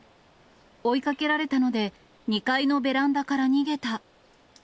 追いかけられたので、２階のベランダから逃げた。